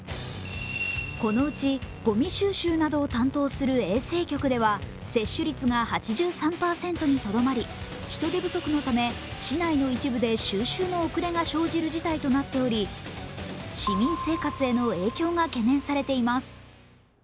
このうちごみ収集などを担当する衛生局では接種率が８３％にとどまり人手不足のため市内の一部で収集の遅れが生じる事態となっており、市民生活への影響が懸念されています。